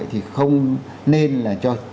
thì không nên là cho